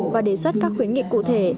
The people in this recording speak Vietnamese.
và đề xuất các khuyến nghị cụ thể